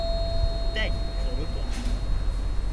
Teď šlo do tuhého.